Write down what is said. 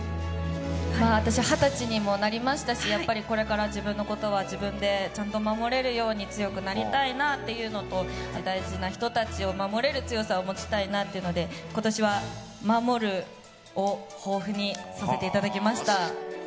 二十歳にもなりましたしこれから自分のことは自分でちゃんと守れるように強くなりたいなというのと大事な人たちを守れる強さを持ちたいなというので今年は「守」を抱負にさせていただきました。